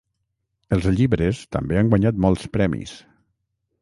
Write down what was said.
Els llibres també han guanyat molts premis.